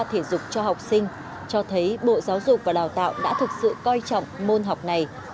thể dục cho học sinh cho thấy bộ giáo dục và đào tạo đã thực sự coi trọng môn học này